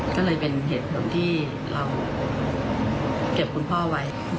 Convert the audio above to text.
ก็เลยเป็นเหตุผลที่เราเก็บคุณพ่อไว้